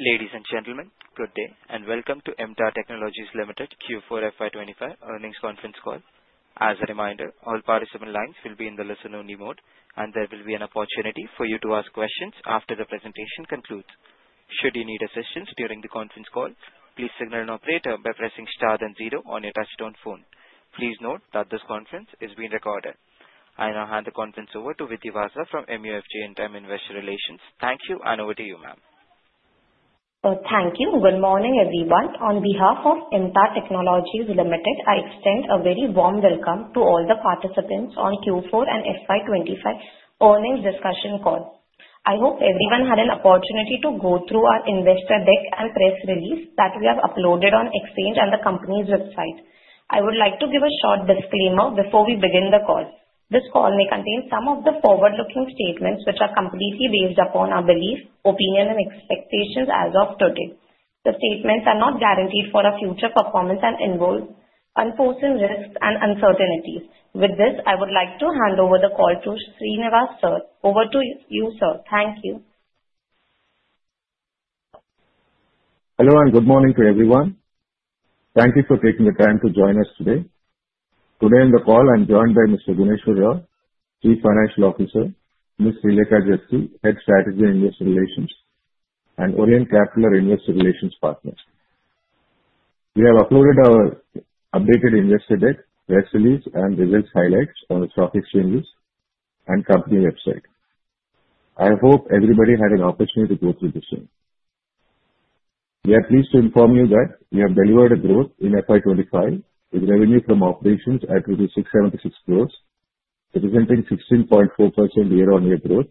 Ladies and gentlemen, good day and welcome to MTAR Technologies Limited Q4 FY25 earnings conference call. As a reminder, all participant lines will be in the listen-only mode, and there will be an opportunity for you to ask questions after the presentation concludes. Should you need assistance during the conference call, please signal an operator by pressing star then zero on your touch-tone phone. Please note that this conference is being recorded. I now hand the conference over to Vidhi Vasa from MUFG Intime Investor Relations. Thank you, and over to you, ma'am. Thank you. Good morning, everyone. On behalf of MTAR Technologies Limited, I extend a very warm welcome to all the participants on Q4 and FY25 earnings discussion call. I hope everyone had an opportunity to go through our investor deck and press release that we have uploaded on Exchange and the company's website. I would like to give a short disclaimer before we begin the call. This call may contain some of the forward-looking statements, which are completely based upon our belief, opinion, and expectations as of today. The statements are not guaranteed for our future performance and involves unforeseen risks and uncertainties. With this, I would like to hand over the call to Srinivas sir. Over to you, sir. Thank you. Hello and good morning to everyone. Thank you for taking the time to join us today. Today on the call, I'm joined by Mr. Gunneswara Rao, Chief Financial Officer, Ms. Srilekha Jasthi Head Strategy and Investor Relations, and Orient Capital, our investor relations partners. We have uploaded our updated investor deck, press release, and the results highlights on the stock exchanges and company website. I hope everybody had an opportunity to go through the same. We are pleased to inform you that we have delivered a growth in FY25 with revenue from operations at rupees 676 crores, representing 16.4% year-on-year growth,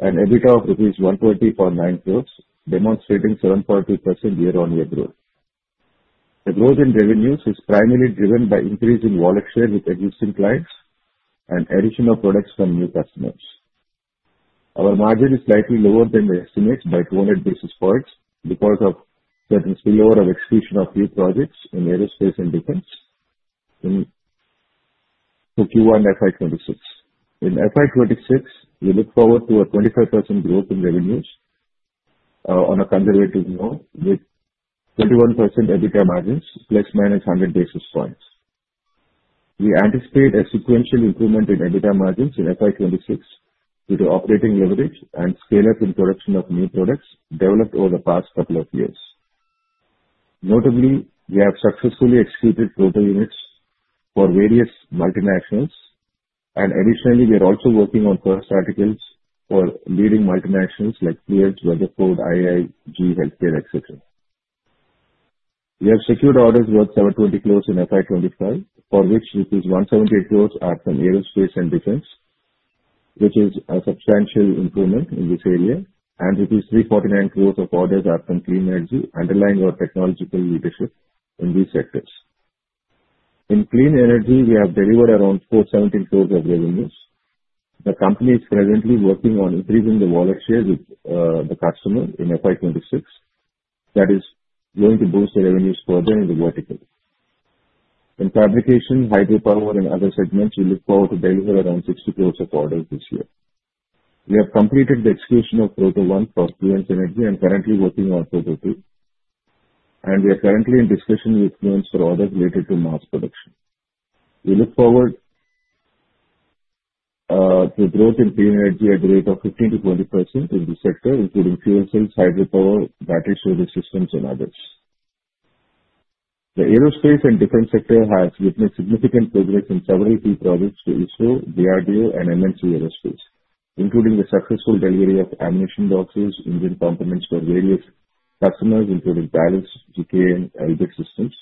and EBITDA of rupees 120.9 crores, demonstrating 7.2% year-on-year growth. The growth in revenues is primarily driven by increasing wallet share with existing clients and addition of products from new customers. Our margin is slightly lower than the estimates by 200 basis points because of the delay of execution of new projects in Aerospace and Defense for Q1 FY26. In FY26, we look forward to a 25% growth in revenues on a conservative note with 21% EBITDA margins, plus/minus 100 basis points. We anticipate a sequential improvement in EBITDA margins in FY26 due to operating leverage and scale-up in production of new products developed over the past couple of years. Notably, we have successfully executed proto or various multinationals, and additionally, we are also working on First Articles for leading multinationals like Fluence, Weatherford, IAI, GE Healthcare, etc. We have secured orders worth 720 crores in FY25, for which rupees 178 crores are from Aerospace and Defense, which is a substantial improvement in this area, and 349 crores of orders are from Clean Eenergy, underlying our technological leadership in these sectors. In Clean Energy, we have delivered around 417 crores of revenues. The company is presently working on increasing the wallet share with the customer in FY26. That is going to boost the revenues further in the vertical. In fabrication, hydropower, and other segments, we look forward to delivering around 60 crores of orders this year. We have completed the execution of proto 1 for Fluence Energy and are currently working on proto 2, and we are currently in discussion with Fluence for orders related to mass production. We look forward to growth in Clean Energy at a rate of 15%-20% in this sector, including fuel cells, hydropower, battery storage systems, and others. The Aerospace and Defense sector has witnessed significant progress in several key projects to ISRO, DRDO, and MNC aerospace, including the successful delivery of ammunition boxes, engine components for various customers, including Paris, GKN, and Elbit Systems.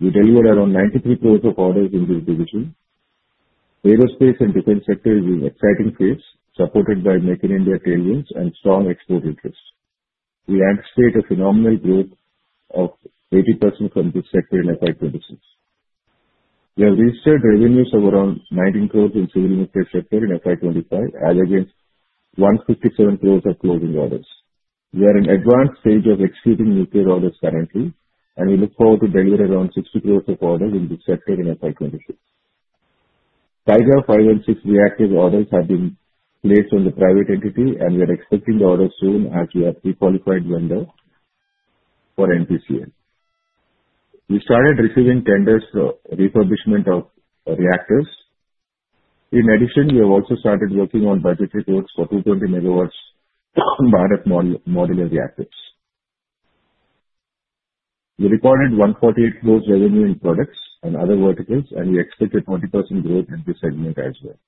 We delivered around 93 crores of orders in this division. Aerospace and defense sector is in an exciting phase, supported by Make in India tailwinds and strong export interests. We anticipate a phenomenal growth of 80% from this sector in FY26. We have registered revenues of around 19 crores in the civil and nuclear sector in FY25, as against 157 crores of closing orders. We are in the advanced stage of executing nuclear orders currently, and we look forward to delivering around 60 crores of orders in this sector in FY26. Kaiga 5 & 6 reactors orders have been placed on the private entity, and we are expecting the orders soon as we have pre-qualified vendors for NPCIL. We started receiving tenders for refurbishment of reactors. In addition, we have also started working on budget reports for 220-MW Bharat modular reactors. We recorded 148 crores revenue in products and other verticals, and we expect a 20% growth in this segment as well.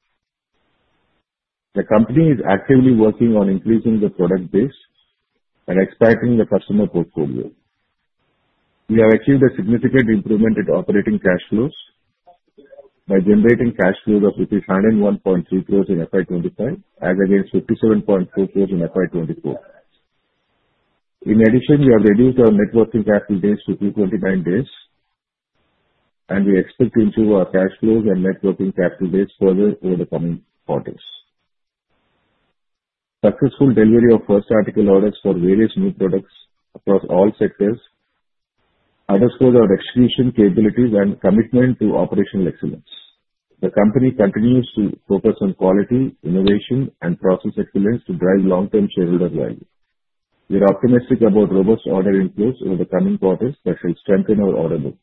The company is actively working on increasing the product base and expanding the customer portfolio. We have achieved a significant improvement in operating cash flows by generating cash flows of rupees 101.3 crores in FY25, as against 57.4 crores in FY24. In addition, we have reduced our net working capital days to 229 days, and we expect to improve our cash flows and net working capital days further over the coming quarters. Successful delivery of first article orders for various new products across all sectors underscores our execution capabilities and commitment to operational excellence. The company continues to focus on quality, innovation, and process excellence to drive long-term shareholder value. We are optimistic about robust order inflows over the coming quarters, which will strengthen our order book.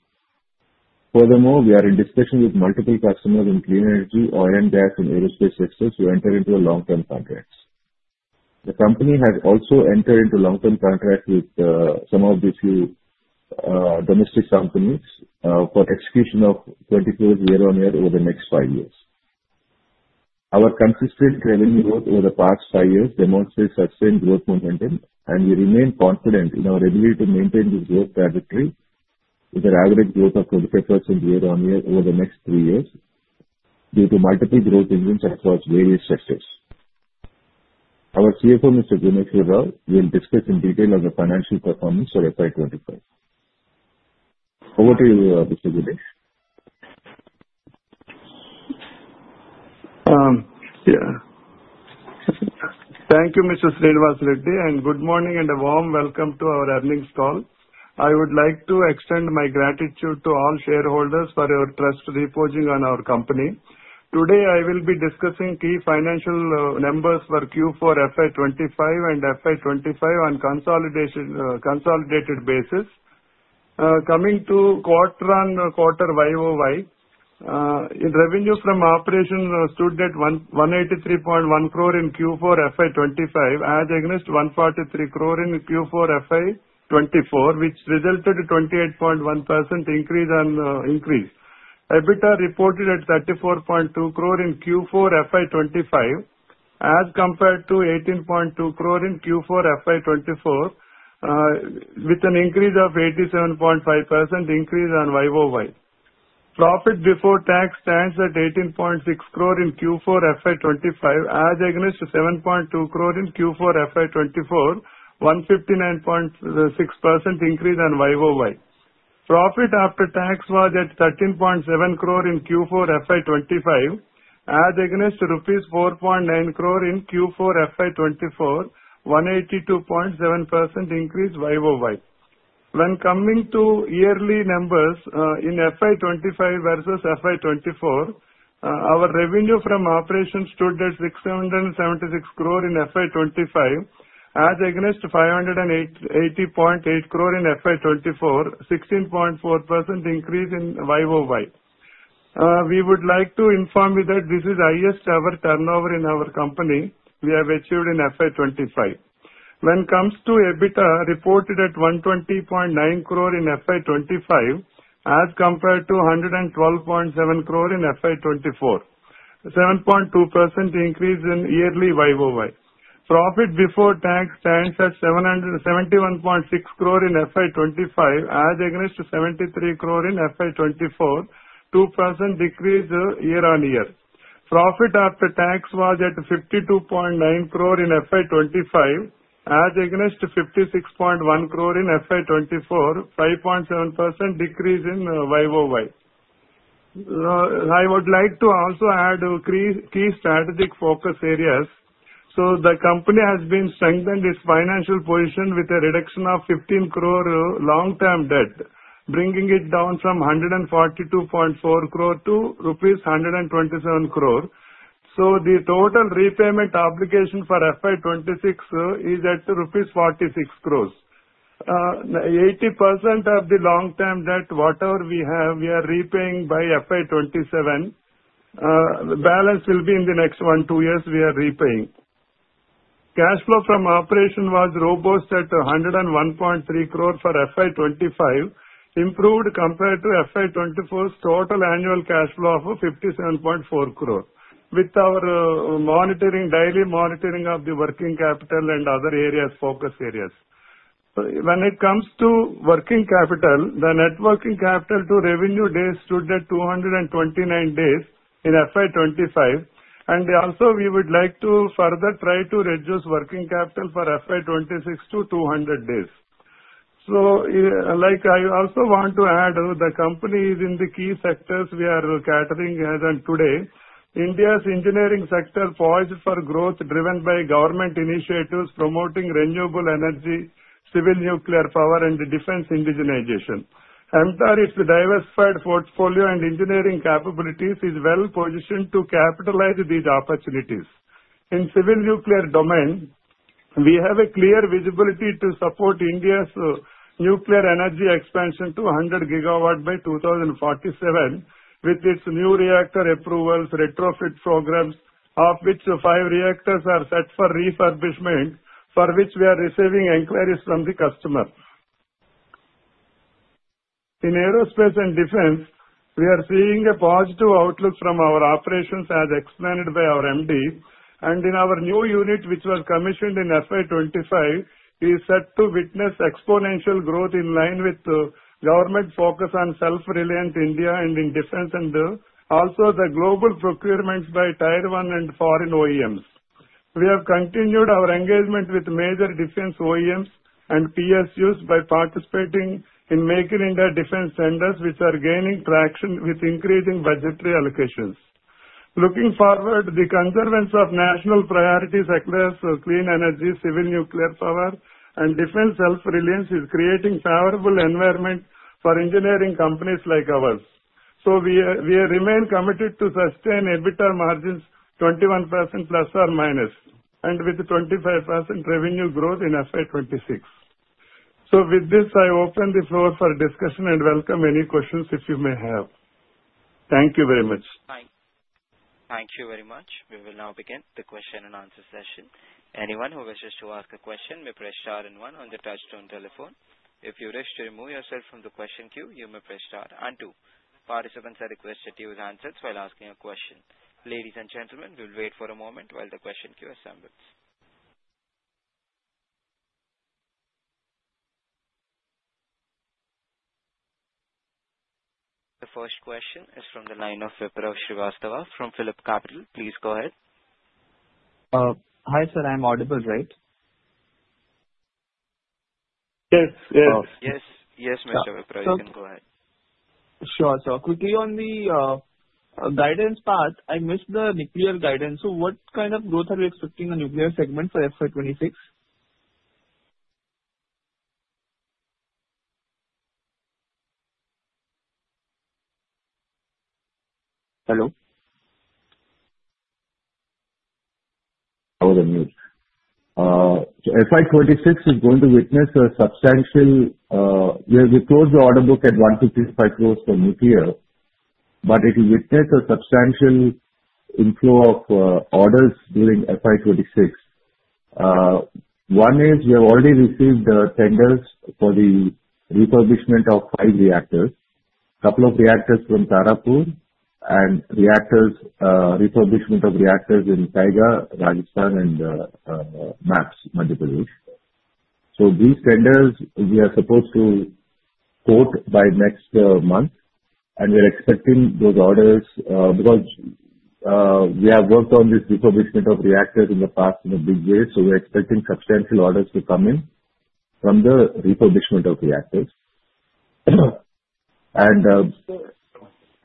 Furthermore, we are in discussion with multiple customers in Clean Energy, oil, and gas, and aerospace sectors to enter into long-term contracts. The company has also entered into long-term contracts with some of the few domestic companies for execution of 20 crores year-on-year over the next five years. Our consistent revenue growth over the past five years demonstrates sustained growth momentum, and we remain confident in our ability to maintain this growth trajectory with an average growth of 25% year-on-year over the next three years due to multiple growth engines across various sectors. Our CFO, Mr. Gunneswara Rao, will discuss in detail our financial performance for FY25. Over to you, Mr. Gunnes. Yeah. Thank you, Mr. Srinivas Reddy, and good morning and a warm welcome to our earnings call. I would like to extend my gratitude to all shareholders for your trust reposing on our company. Today, I will be discussing key financial numbers for Q4 FY25 and FY25 on a consolidated basis. Coming to quarter-on-quarter YOY, revenue from operations stood at 183.1 crore in Q4 FY25, as against 143 crore in Q4 FY24, which resulted in a 28.1% increase. EBITDA reported at 34.2 crore in Q4 FY25, as compared to 18.2 crore in Q4 FY24, with an increase of 87.5% on YOY. Profit before tax stands at 18.6 crore in Q4 FY25, as against 7.2 crore in Q4 FY24, a 159.6% increase on YOY. Profit after tax was at 13.7 crore in Q4 FY25, as against INR 4.9 crore in Q4 FY24, a 182.7% increase on YOY. When coming to yearly numbers in FY25 versus FY24, our revenue from operations stood at 676 crore in FY25, as against 580.8 crore in FY24, a 16.4% increase on YOY. We would like to inform you that this is the highest-ever turnover in our company we have achieved in FY25. When it comes to EBITDA, it reported at 120.9 crore in FY25, as compared to 112.7 crore in FY24, a 7.2% increase on yearly YOY. Profit before tax stands at 71.6 crore in FY25, as against 73 crore in FY24, a 2% decrease year-on-year. Profit after tax was at 52.9 crore in FY25, as against 56.1 crore in FY24, a 5.7% decrease on YOY. I would like to also add key strategic focus areas. The company has been strengthening its financial position with a reduction of 15 crore long-term debt, bringing it down from 142.4 crore to rupees 127 crore. The total repayment obligation for FY26 is at rupees 46 crores. 80% of the long-term debt, whatever we have, we are repaying by FY27. The balance will be in the next one to two years we are repaying. Cash flow from operations was robust at 101.3 crore for FY25, improved compared to FY24's total annual cash flow of 57.4 crore, with our monitoring, daily monitoring of the working capital and other areas, focus areas. When it comes to working capital, the net working capital to revenue days stood at 229 days in FY25, and also we would like to further try to reduce working capital for FY26 to 200 days. I also want to add, the company is in the key sectors we are catering as of today. India's engineering sector poised for growth driven by government initiatives promoting renewable energy, Civil Nuclear Power, and defense indigenization. MTAR, its diversified portfolio and engineering capabilities are well positioned to capitalize these opportunities. In the civil nuclear domain, we have a clear visibility to support India's nuclear energy expansion to 100 gigawatts by 2047, with its new reactor approvals, retrofit programs, of which five reactors are set for refurbishment, for which we are receiving inquiries from the customer. In Aerospace and Defense, we are seeing a positive outlook from our operations as explained by our MD, and in our new unit, which was commissioned in FY25, we are set to witness exponential growth in line with the government focus on self-reliant India and in defense, and also the global procurement by Taiwan and foreign OEMs. We have continued our engagement with major defense OEMs and PSUs by participating in Make in India defense tenders, which are gaining traction with increasing budgetary allocations. Looking forward, the conservance of national priorities across Clean Energy, Civil Nuclear Power, and defense self-reliance is creating a favorable environment for engineering companies like ours. So, we remain committed to sustain EBITDA margins 21% plus or minus, and with a 25% revenue growth in FY26. So, with this, I open the floor for discussion and welcome any questions if you may have. Thank you very much. Thank you very much. We will now begin the question and answer session. Anyone who wishes to ask a question may press star and one on the touch-tone telephone. If you wish to remove yourself from the question queue, you may press star and two. Participants are requested to use handsets while asking a question. Ladies and gentlemen, we will wait for a moment while the question queue assembles. The first question is from the line of Vipraw Srivastava from PhillipCapital. Please go ahead. Hi, sir. I'm audible, right? Yes, yes. Yes, yes, Mr. Vipraw, you can go ahead. Sure. So, quickly on the guidance path, I missed the nuclear guidance. So, what kind of growth are you expecting in the nuclear segment for FY26? Hello? I was on mute. FY26 is going to witness a substantial, we closed the order book at 155 crores for nuclear, but it will witness a substantial inflow of orders during FY26. One is we have already received tenders for the refurbishment of five reactors, a couple of reactors from Tarapur, and refurbishment of reactors in Kaiga, Rajasthan, and MAPS, Madhya Pradesh. So, these tenders we are supposed to quote by next month, and we are expecting those orders because we have worked on this refurbishment of reactors in the past in a big way. So, we are expecting substantial orders to come in from the refurbishment of reactors. And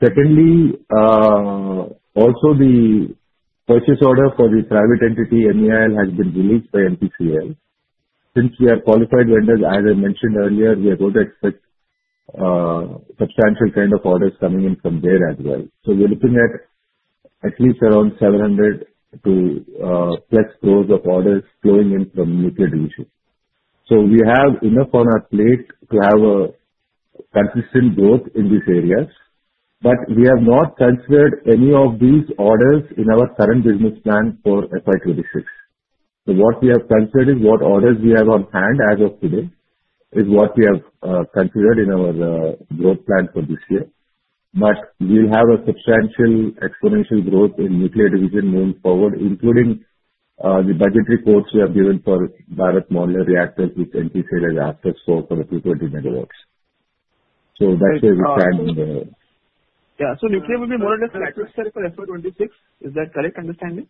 secondly, also, the purchase order for the private entity MEIL has been released by NPCIL. Since we are qualified vendors, as I mentioned earlier, we are going to expect substantial kind of orders coming in from there as well. So, we're looking at least around 700 to plus crores of orders flowing in from Nuclear Division. We have enough on our plate to have a consistent growth in these areas, but we have not considered any of these orders in our current business plan for FY26. What we have considered is what orders we have on hand as of today is what we have considered in our growth plan for this year, but we'll have a substantial exponential growth in Nuclear Division going forward, including the budget reports we have given for Bharat modular reactors with NPCIL as after-scope for the 220 megawatts. That's where we stand in the. Yeah. So, nuclear will be more or less at this stage for FY26. Is that a correct understanding?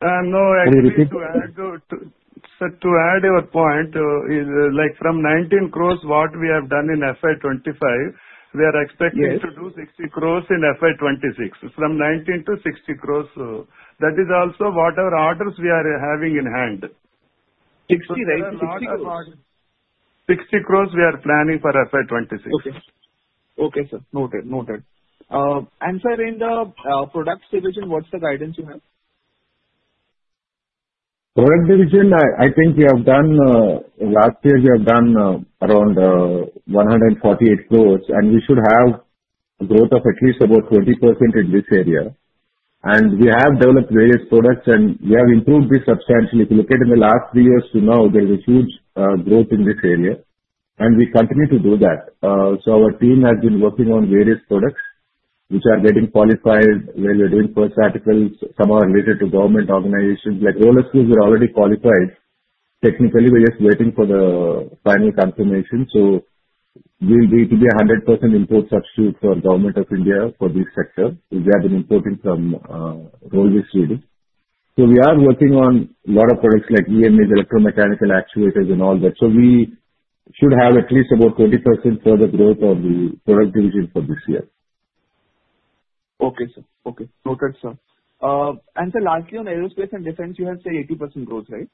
No, I think to add your point, from INR 19 crores what we have done in FY25, we are expecting to do 60 crores in FY26. It's from 19 crores to 60 crores. That is also whatever orders we are having in hand. 60, right? 60 crores? 60 crores we are planning for FY26. Okay. Okay, sir. Noted. Noted. And, sir, in the products division, what's the guidance you have? Product division, I think we have done last year, we have done around 148 crores, and we should have a growth of at least about 20% in this area. And we have developed various products, and we have improved this substantially. If you look at in the last three years to now, there is a huge growth in this area, and we continue to do that. So, our team has been working on various products which are getting qualified when we're doing First Articles somehow related to government organizations like roller screws. We're already qualified technically. We're just waiting for the final confirmation. So, we'll be to be a 100% import substitute for the government of India for this sector, which we have been importing from Rollvis SA. So, we are working on a lot of products like EMAs, electromechanical actuators, and all that. We should have at least about 20% further growth on the product division for this year. Okay, sir. Okay. Noted, sir. And then lastly, on Aerospace and Defense, you had, say, 80% growth, right?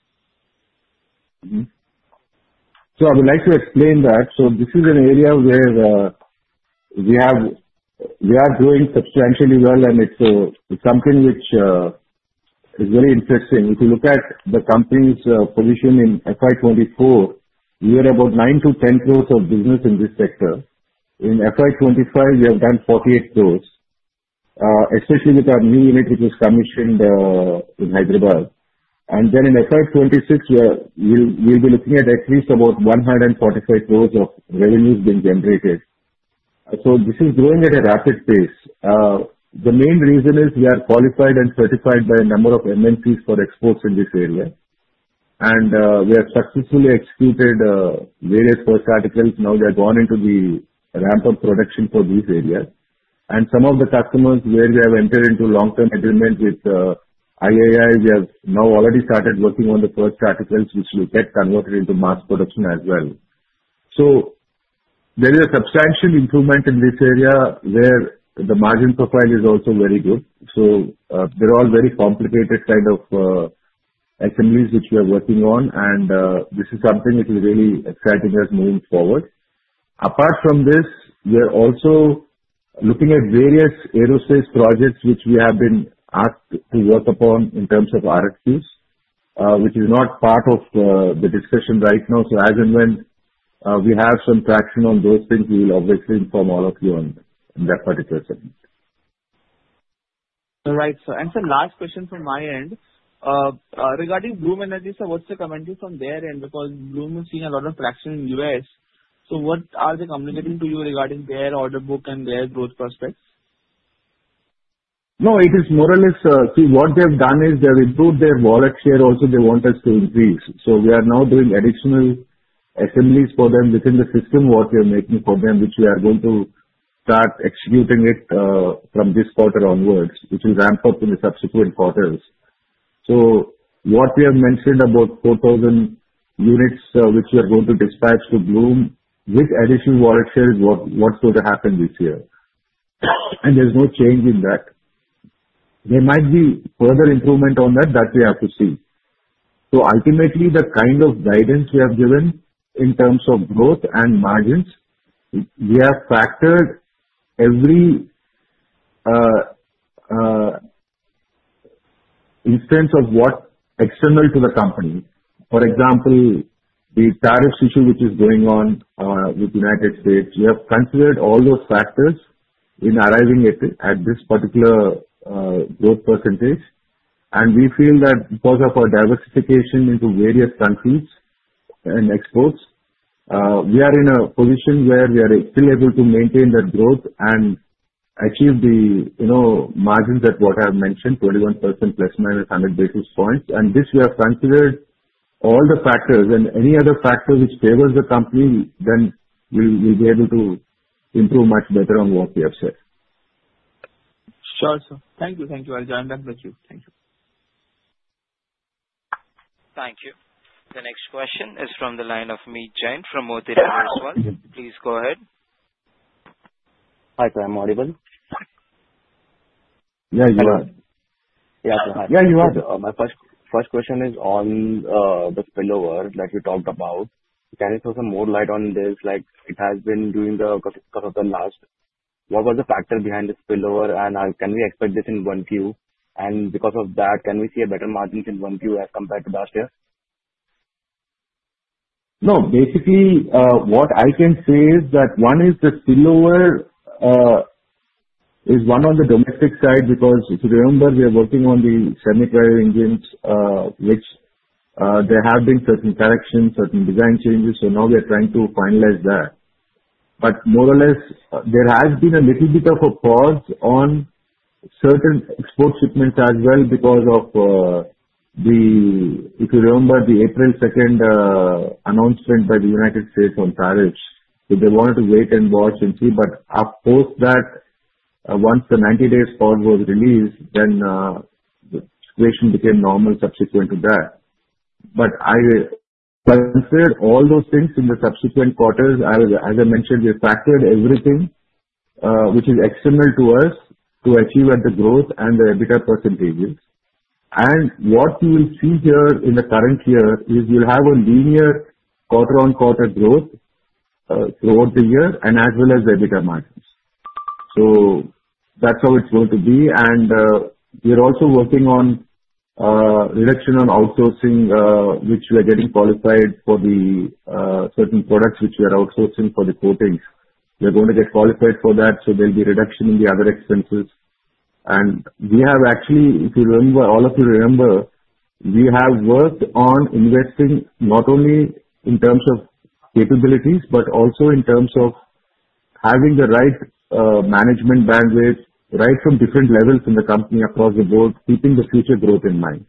I would like to explain that. This is an area where we are doing substantially well, and it's something which is very interesting. If you look at the company's position in FY24, we are about 9-10 crores of business in this sector. In FY25, we have done 48 crores, especially with our new unit which was commissioned in Hyderabad. And then in FY26, we'll be looking at least about 145 crores of revenues being generated. This is growing at a rapid pace. The main reason is we are qualified and certified by a number of MNPs for exports in this area, and we have successfully executed various First Articles. Now, we have gone into the ramp-up production for these areas. Some of the customers where we have entered into long-term agreements with IAI, we have now already started working on the First Articles, which we'll get converted into mass production as well. There is a substantial improvement in this area where the margin profile is also very good. They're all very complicated kind of assemblies which we are working on, and this is something which is really exciting us moving forward. Apart from this, we are also looking at various aerospace projects which we have been asked to work upon in terms of RFQs, which is not part of the discussion right now. As and when we have some traction on those things, we will obviously inform all of you on that particular segment. All right, sir, and sir, last question from my end. Regarding Bloom Energy, sir, what's the commentary from their end? Because Bloom is seeing a lot of traction in the U.S., so what are they communicating to you regarding their order book and their growth prospects? No, it is more or less see, what they have done is they have improved their wallet share also. They want us to increase. So, we are now doing additional assemblies for them within the system what we are making for them, which we are going to start executing it from this quarter onwards, which will ramp up in the subsequent quarters. So, what we have mentioned about 4,000 units which we are going to dispatch to Bloom with additional wallet share is what's going to happen this year. And there's no change in that. There might be further improvement on that. That we have to see. So, ultimately, the kind of guidance we have given in terms of growth and margins, we have factored every instance of what's external to the company. For example, the tariff issue which is going on with the United States. We have considered all those factors in arriving at this particular growth percentage. And we feel that because of our diversification into various countries and exports, we are in a position where we are still able to maintain that growth and achieve the margins that what I have mentioned, 21% plus minus 100 basis points. And this, we have considered all the factors and any other factor which favors the company, then we'll be able to improve much better on what we have said. Sure, sir. Thank you. Thank you. I'll join back with you. Thank you. Thank you. The next question is from the line of Meet Jain from Motilal Oswal. Please go ahead. Hi, sir. I'm audible. Yeah, you are. Yeah, sir. Hi. Yeah, you are. So my first question is on the spillover that we talked about. Can you throw some more light on this? It has been during the course of the last. What was the factor behind the spillover? And can we expect this in Q1? And because of that, can we see a better margin in Q1 as compared to last year? No. Basically, what I can say is that one is the spillover is one on the domestic side because if you remember, we are working on the scramjet engines, which there have been certain corrections, certain design changes. So now, we are trying to finalize that. But more or less, there has been a little bit of a pause on certain export shipments as well because of the, if you remember, the April 2nd announcement by the United States on tariffs. So they wanted to wait and watch and see. But post that, once the 90-day spot was released, then the situation became normal subsequent to that. But I considered all those things in the subsequent quarters. As I mentioned, we factored everything which is external to us to achieve at the growth and the EBITDA percentages. And what we will see here in the current year is we'll have a linear quarter-on-quarter growth throughout the year and as well as the EBITDA margins. So that's how it's going to be. And we're also working on reduction on outsourcing, which we are getting qualified for the certain products which we are outsourcing for the coatings. We're going to get qualified for that. So there'll be reduction in the other expenses. And we have actually, if you remember, all of you remember, we have worked on investing not only in terms of capabilities but also in terms of having the right management bandwidth right from different levels in the company across the board, keeping the future growth in mind.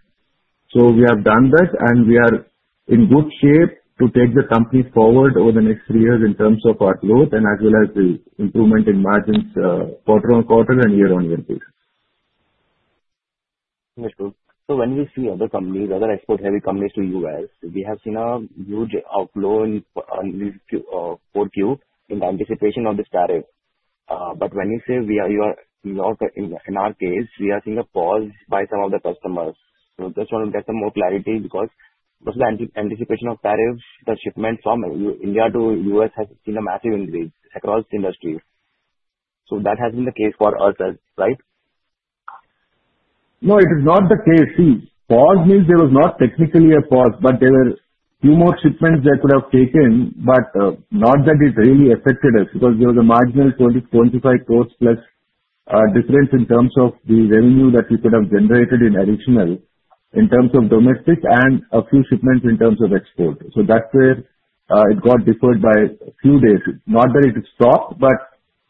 So we have done that, and we are in good shape to take the company forward over the next three years in terms of our growth and as well as the improvement in margins quarter-on-quarter and year-on-year basis. So when we see other companies, other export-heavy companies to the US, we have seen a huge outflow in Q4 in anticipation of this tariff. But when you say we are in our case, we are seeing a pause by some of the customers. So I just want to get some more clarity because of the anticipation of tariffs, the shipment from India to the US has seen a massive increase across the industry. So that has been the case for us as, right? No, it is not the case. See, pause means there was not technically a pause, but there were few more shipments that could have taken, but not that it really affected us because there was a marginal 25 crores plus difference in terms of the revenue that we could have generated in additional in terms of domestic and a few shipments in terms of export. So that's where it got deferred by a few days. Not that it stopped, but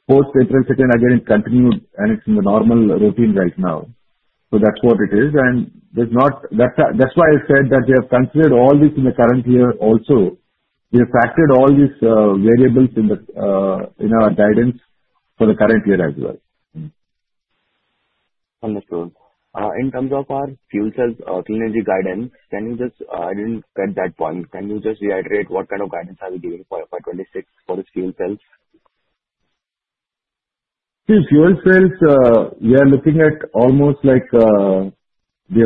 post April 2nd, again, it continued, and it's in the normal routine right now. So that's what it is. And that's why I said that we have considered all this in the current year. Also, we have factored all these variables in our guidance for the current year as well. Understood. In terms of our fuel cells and Clean Energy guidance, I didn't get that point. Can you just reiterate what kind of guidance have you given for FY26 for the fuel cells? See, fuel cells, we are looking at almost like the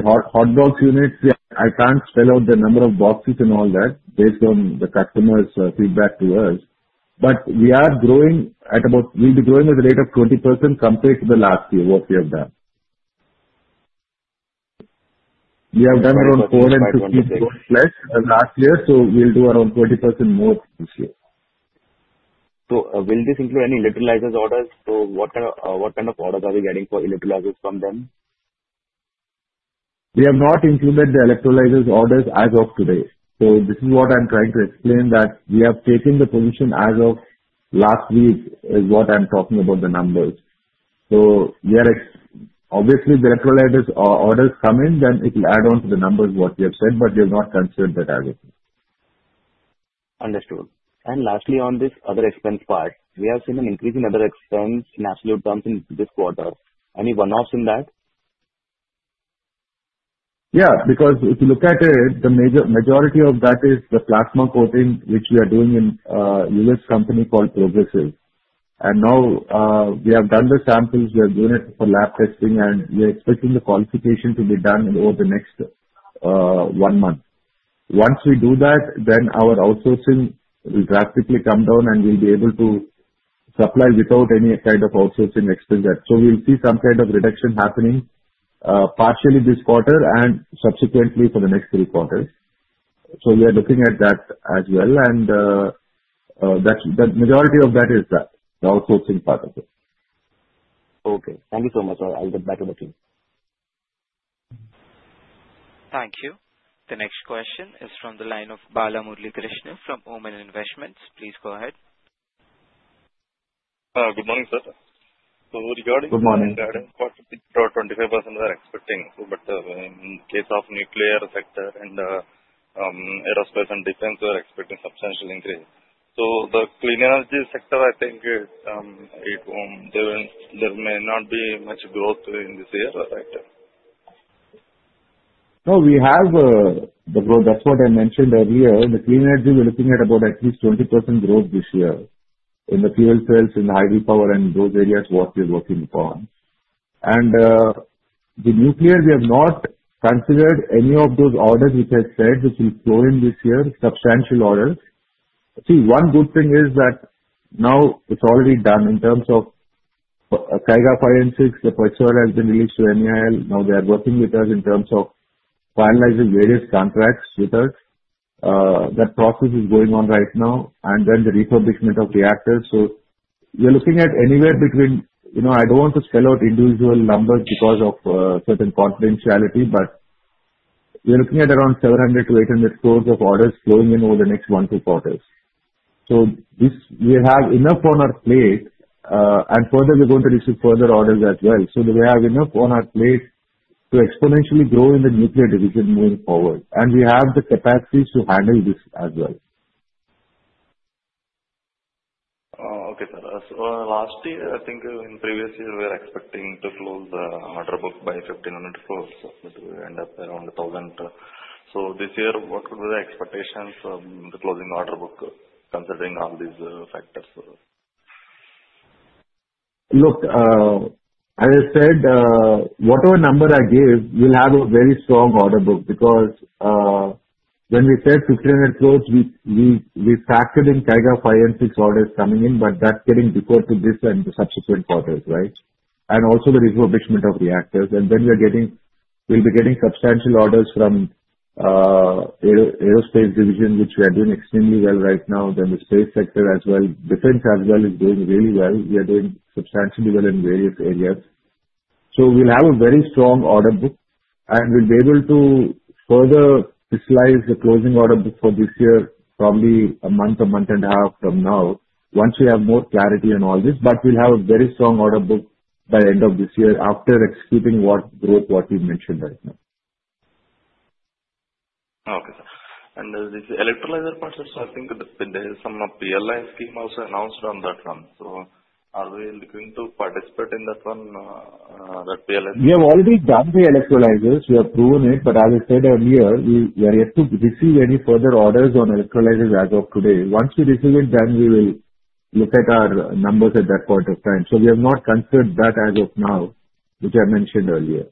hot box units. I can't spell out the number of boxes and all that based on the customer's feedback to us. But we'll be growing at a rate of 20% compared to the last year, what we have done. We have done around 450 crores plus last year. So we'll do around 20% more this year. So will this include any electrolyzers orders? So what kind of orders are we getting for electrolyzers from them? We have not included the electrolyzers orders as of today. So this is what I'm trying to explain, that we have taken the position as of last week, is what I'm talking about the numbers. So obviously, the electrolyzers orders come in, then it will add on to the numbers what we have said, but we have not considered that as of now. Understood. And lastly, on this other expense part, we have seen an increase in other expense in absolute terms in this quarter. Any one-offs in that? Yeah. Because if you look at it, the majority of that is the plasma coating, which we are doing in a U.S. company called Progressive. And now, we have done the samples. We are doing it for lab testing, and we are expecting the qualification to be done over the next one month. Once we do that, then our outsourcing will drastically come down, and we'll be able to supply without any kind of outsourcing expenses. So we'll see some kind of reduction happening partially this quarter and subsequently for the next three quarters. So we are looking at that as well. And the majority of that is that, the outsourcing part of it. Okay. Thank you so much, sir. I'll get back to the team. Thank you. The next question is from the line of Bala Murali Krishna from Oman Investments. Please go ahead. Good morning, sir. So regarding the. Good morning. 25% we are expecting, but in case of nuclear sector and Aerospace and Defense, we are expecting substantial increase. So the Clean Energy sector, I think there may not be much growth in this year, right? No, we have the growth. That's what I mentioned earlier. The Clean Energy, we're looking at about at least 20% growth this year in the fuel cells, in the hydropower and those areas what we are working upon. The nuclear, we have not considered any of those orders which I said which will flow in this year, substantial orders. See, one good thing is that now it's already done in terms of Kaiga 5 and 6. The pressure has been released to MEIL. Now, they are working with us in terms of finalizing various contracts with us. That process is going on right now. Then the refurbishment of the reactors. So we're looking at anywhere between I don't want to spell out individual numbers because of certain confidentiality, but we're looking at around 700-800 crores of orders flowing in over the next one to four days. So we have enough on our plate, and further, we're going to receive further orders as well. So we have enough on our plate to exponentially grow in the Nuclear Division moving forward. And we have the capacities to handle this as well. Okay. So last year, I think in previous year, we were expecting to close the order book by 1,500 crores. We end up around 1,000. So this year, what would be the expectations of the closing order book considering all these factors? Look, as I said, whatever number I give, we'll have a very strong order book because when we said 1,500 crores, we factored in Kaiga 5 and 6 orders coming in, but that's getting deferred to this and the subsequent quarters, right? And also the refurbishment of reactors. And then we'll be getting substantial orders from the aerospace division, which we are doing extremely well right now. Then the space sector as well. Defense as well is doing really well. We are doing substantially well in various areas. So we'll have a very strong order book, and we'll be able to further finalize the closing order book for this year, probably a month, a month and a half from now, once we have more clarity on all this. But we'll have a very strong order book by the end of this year after executing what growth we've mentioned right now. Okay. And this electrolyzer part, sir, I think there is some PLI scheme also announced on that one. So are we looking to participate in that one, that PLI? We have already done the electrolyzers. We have proven it. But as I said earlier, we are yet to receive any further orders on electrolyzers as of today. Once we receive it, then we will look at our numbers at that point of time. So we have not considered that as of now, which I mentioned earlier.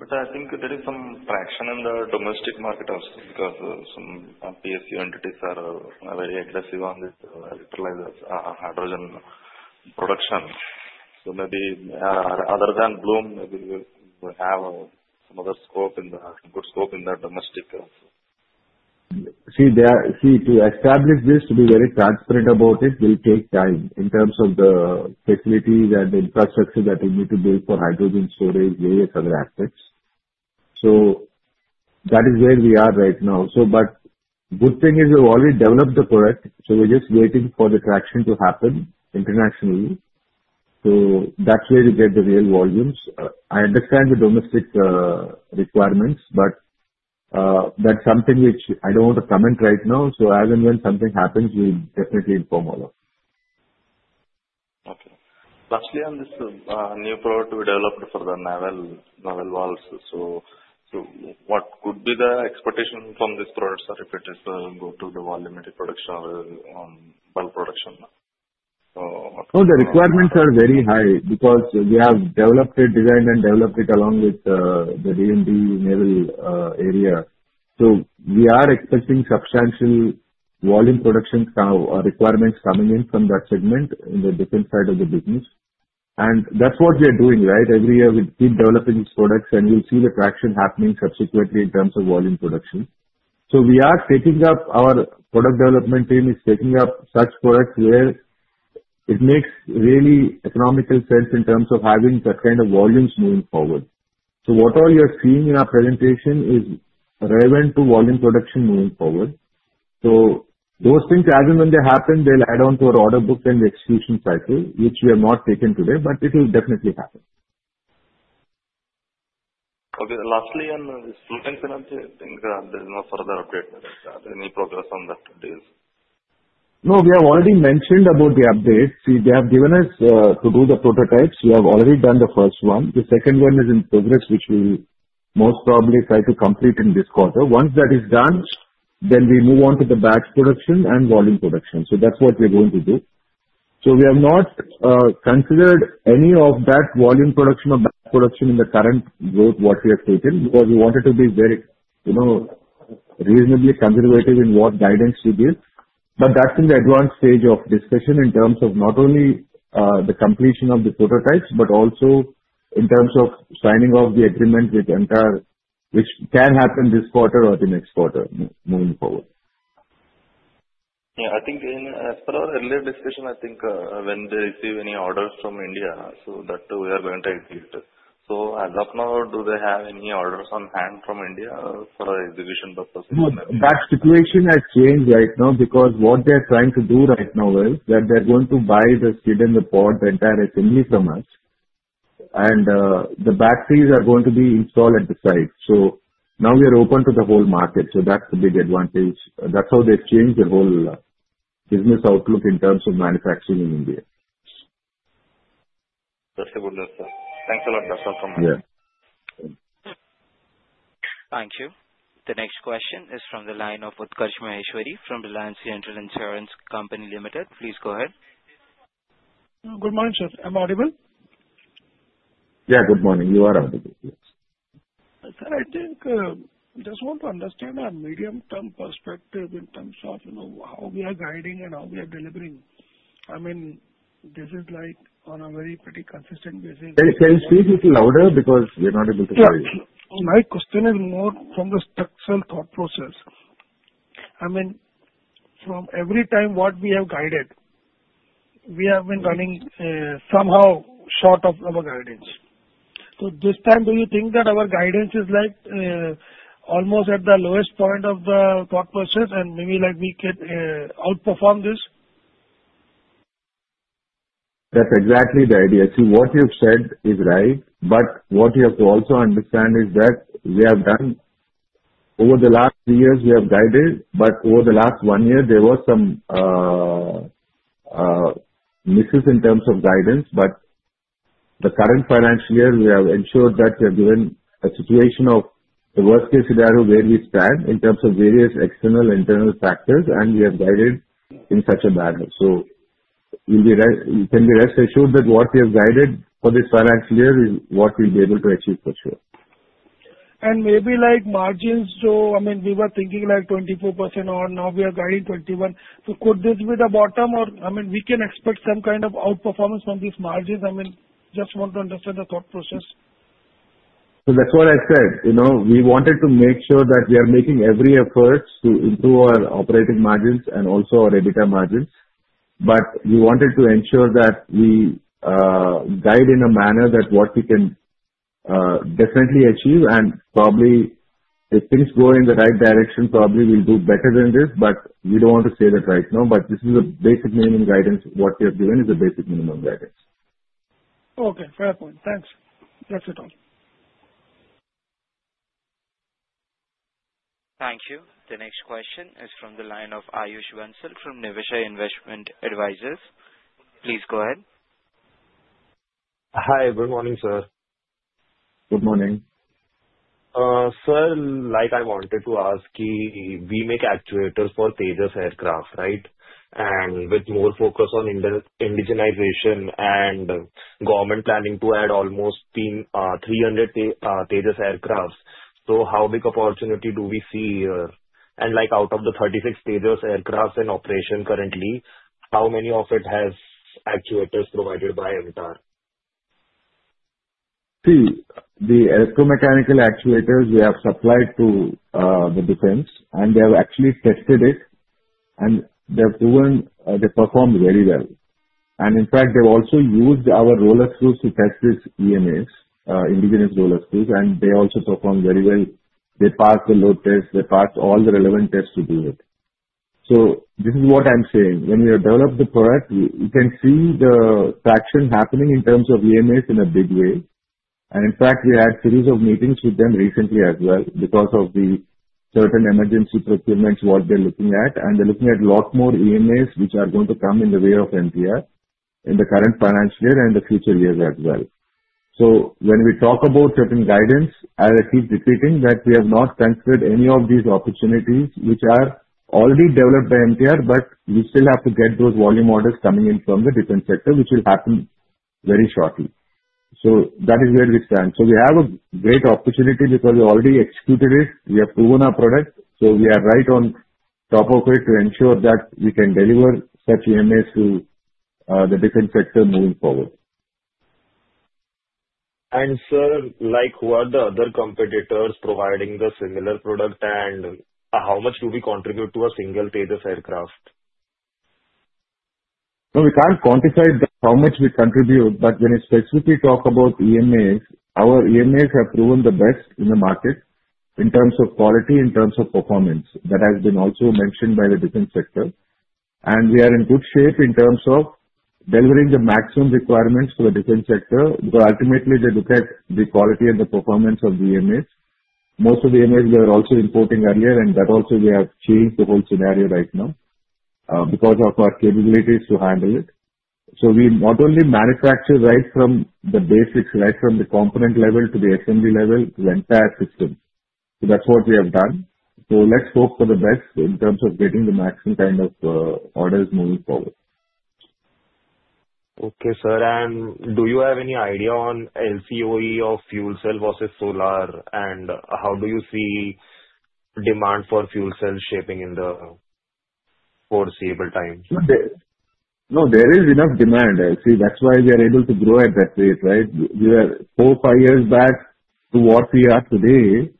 But I think there is some traction in the domestic market also because some PSU entities are very aggressive on these electrolyzers, hydrogen production. So maybe other than Bloom, maybe we'll have some other scope in the good scope in the domestic also. See, to establish this, to be very transparent about it, will take time in terms of the facilities and the infrastructure that we need to build for hydrogen storage, various other aspects. So that is where we are right now. But the good thing is we've already developed the product. So we're just waiting for the traction to happen internationally. So that's where we get the real volumes. I understand the domestic requirements, but that's something which I don't want to comment right now. So as and when something happens, we'll definitely inform all of you. Okay. Lastly, on this new product we developed for the naval valves. So what could be the expectation from this product, sir, if it is going to the volume production or bulk production? No, the requirements are very high because we have developed it, designed and developed it along with the D&D naval area. So we are expecting substantial volume production requirements coming in from that segment in the different side of the business. And that's what we are doing, right? Every year, we keep developing these products, and we'll see the traction happening subsequently in terms of volume production. So we are taking up, our product development team is taking up such products where it makes really economical sense in terms of having that kind of volumes moving forward. So what all you're seeing in our presentation is relevant to volume production moving forward. So those things, as and when they happen, they'll add on to our order book and the execution cycle, which we have not taken today, but it will definitely happen. Okay. Lastly, on the instruments and other things, there's no further update. Any progress on that deals? No, we have already mentioned about the updates. See, they have given us to do the prototypes. We have already done the first one. The second one is in progress, which we will most probably try to complete in this quarter. Once that is done, then we move on to the batch production and volume production. So that's what we're going to do. So we have not considered any of that volume production or batch production in the current growth what we have taken because we wanted to be very reasonably conservative in what guidance we give. But that's in the advanced stage of discussion in terms of not only the completion of the prototypes, but also in terms of signing off the agreement with MTAR which can happen this quarter or the next quarter moving forward. Yeah. I think in further earlier discussion, I think when they receive any orders from India, so that we are going to execute. So as of now, do they have any orders on hand from India for execution purposes? No, that situation has changed right now because what they are trying to do right now is that they're going to buy the skid and the port, the entire assembly from us, and the batteries are going to be installed at the site, so now we are open to the whole market, so that's the big advantage. That's how they've changed the whole business outlook in terms of manufacturing in India. That's a good news, sir. Thanks a lot, sir. Thank you. Thank you. The next question is from the line of Utkarsh Maheshwari from Reliance General Insurance Company Limited. Please go ahead. Good morning, sir. Am I audible? Yeah, good morning. You are audible, yes. I think I just want to understand our medium-term perspective in terms of how we are guiding and how we are delivering. I mean, this is on a very pretty consistent basis. Can you speak a little louder because we're not able to hear you? My question is more from the structural thought process. I mean, from every time what we have guided, we have been running somehow short of our guidance. So this time, do you think that our guidance is almost at the lowest point of the thought process and maybe we can outperform this? That's exactly the idea. See, what you've said is right, but what you have to also understand is that we have done over the last three years, we have guided, but over the last one year, there were some misses in terms of guidance. But the current financial year, we have ensured that we have given a situation of the worst-case scenario where we stand in terms of various external and internal factors, and we have guided in such a manner. So you can be rest assured that what we have guided for this financial year is what we'll be able to achieve for sure. Maybe margins. So, I mean, we were thinking 24% on. Now, we are guiding 21%. So could this be the bottom? Or, I mean, we can expect some kind of outperformance on these margins. I mean, just want to understand the thought process. That's what I said. We wanted to make sure that we are making every effort to improve our operating margins and also our EBITDA margins. We wanted to ensure that we guide in a manner that what we can definitely achieve. Probably, if things go in the right direction, probably we'll do better than this. We don't want to say that right now. This is a basic minimum guidance. What we have given is a basic minimum guidance. Okay. Fair point. Thanks. That's it. Thank you. The next question is from the line of Ayush Bansal from Niveshaay Investment Advisors. Please go ahead. Hi. Good morning, sir. Good morning. Sir, like I wanted to ask, we make actuators for Tejas aircraft, right? And with more focus on indigenization and government planning to add almost 300 Tejas aircrafts, so how big opportunity do we see here? And out of the 36 Tejas aircraft in operation currently, how many of it has actuators provided by MTAR? See, the electromechanical actuators we have supplied to the defense, and they have actually tested it. And they have proven they perform very well. And in fact, they've also used our roller screws to test these EMAs, indigenous roller screws. And they also perform very well. They passed the load test. They passed all the relevant tests to do it. So this is what I'm saying. When we have developed the product, we can see the traction happening in terms of EMAs in a big way. And in fact, we had a series of meetings with them recently as well because of the certain emergency procurements what they're looking at. And they're looking at a lot more EMAs which are going to come in the way of MTAR in the current financial year and the future years as well. So when we talk about certain guidance, I keep repeating that we have not considered any of these opportunities which are already developed by MTAR, but we still have to get those volume orders coming in from the defense sector, which will happen very shortly. So that is where we stand. So we have a great opportunity because we already executed it. We have proven our product. So we are right on top of it to ensure that we can deliver such EMAs to the defense sector moving forward. Sir, what are the other competitors providing the similar product? How much do we contribute to a single Tejas aircraft? No, we can't quantify how much we contribute, but when we specifically talk about EMAs, our EMAs have proven the best in the market in terms of quality, in terms of performance. That has been also mentioned by the defense sector, and we are in good shape in terms of delivering the maximum requirements for the defense sector because ultimately, they look at the quality and the performance of the EMAs. Most of the EMAs, we are also importing earlier, and that also we have changed the whole scenario right now because of our capabilities to handle it, so we not only manufacture right from the basics, right from the component level to the assembly level to the entire system, so that's what we have done, so let's hope for the best in terms of getting the maximum kind of orders moving forward. Okay, sir. And do you have any idea on LCOE of fuel cell versus solar? And how do you see demand for fuel cell shaping in the foreseeable time? No, there is enough demand. See, that's why we are able to grow at that rate, right? Four, five years back to what we are today,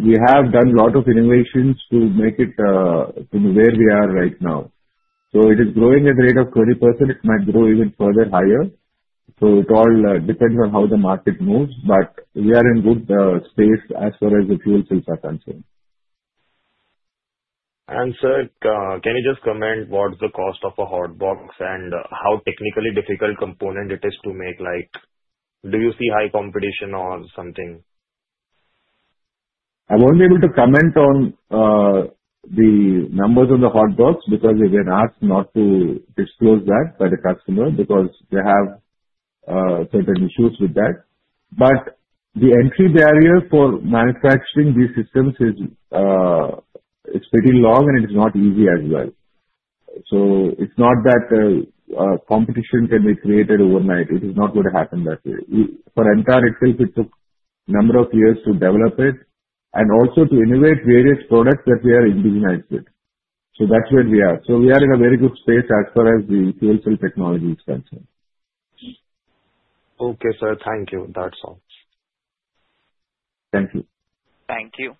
we have done a lot of innovations to make it to where we are right now. So it is growing at a rate of 20%. It might grow even further higher. So it all depends on how the market moves. But we are in good space as far as the fuel cells are concerned. Sir, can you just comment what's the cost of a hot box and how technically difficult component it is to make? Do you see high competition or something? I'm only able to comment on the numbers on the hot box because we were asked not to disclose that by the customer because they have certain issues with that. But the entry barrier for manufacturing these systems is pretty long, and it's not easy as well. So it's not that competition can be created overnight. It is not going to happen that way. For MTAR itself, it took a number of years to develop it and also to innovate various products that we are indigenized with. So that's where we are. So we are in a very good space as far as the fuel cell technology is concerned. Okay, sir. Thank you. That's all. Thank you. Thank you.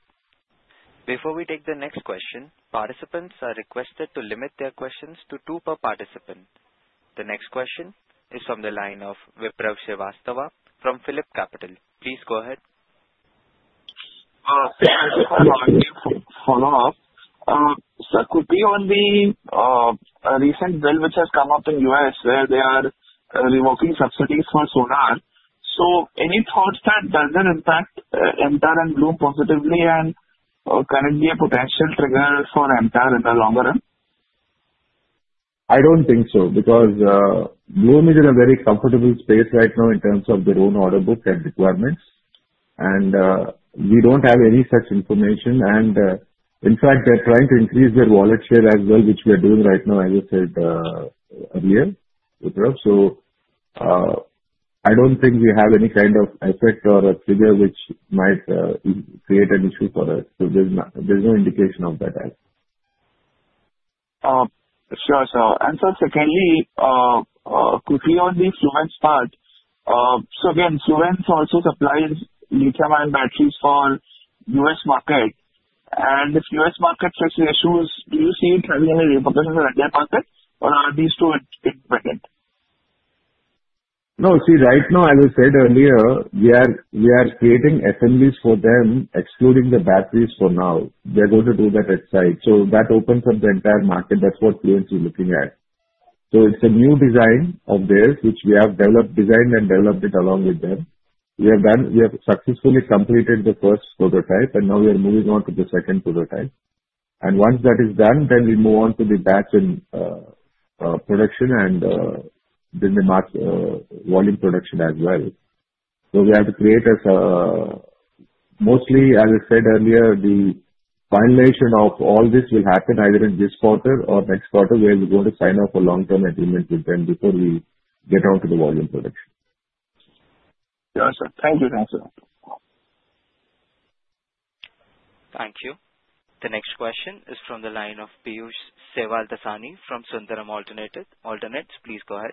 Before we take the next question, participants are requested to limit their questions to two per participant. The next question is from the line of Vipraw Srivastava from PhillipCapital. Please go ahead. Hello. Sir, could be on the recent bill which has come up in the U.S. where they are revoking subsidies for solar. So any thoughts that doesn't impact MTAR and Bloom positively and currently a potential trigger for MTAR in the longer run? I don't think so because Bloom is in a very comfortable space right now in terms of their own order book and requirements. And we don't have any such information. And in fact, they're trying to increase their wallet share as well, which we are doing right now, as I said earlier, Vipraw. So I don't think we have any kind of effect or a trigger which might create an issue for us. There's no indication of that as well. Sure. Sir, can you quickly on the Fluence part? So again, Fluence also supplies lithium-ion batteries for the U.S. market. And if the U.S. market faces issues, do you see it having any repercussions on the entire market, or are these two independent? No, see, right now, as I said earlier, we are creating assemblies for them, excluding the batteries for now. They're going to do that at site. So that opens up the entire market. That's what Fluence is looking at. So it's a new design of theirs, which we have designed and developed along with them. We have successfully completed the first prototype, and now we are moving on to the second prototype. And once that is done, then we move on to the batch production and then the volume production as well. So we have to create mostly, as I said earlier, the finalization of all this will happen either in this quarter or next quarter where we're going to sign off a long-term agreement with them before we get on to the volume production. Sure, sir. Thank you. Thanks, sir. Thank you. The next question is from the line of Piyush Sevaldasani from Sundaram Alternates. Please go ahead.